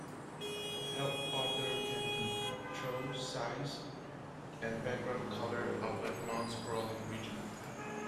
The Help author can control size and background color of a non-scrolling region.